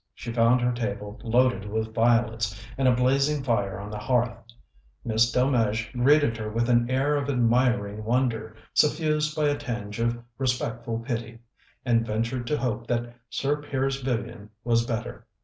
She found her table loaded with violets and a blazing fire on the hearth. Miss Delmege greeted her with an air of admiring wonder, suffused by a tinge of respectful pity, and ventured to hope that Sir Piers Vivian was better.